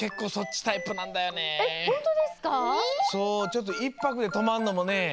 ちょっと１ぱくでとまんのもね